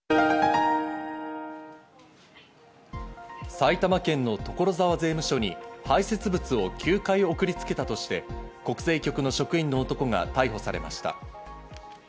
埼玉県の所沢税務署に排せつ物を９回送りつけたとして、国税局の職員の男が逮捕されました。